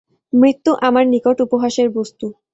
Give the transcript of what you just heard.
মৃত্য আমার নিকট উপহাসের বস্তু।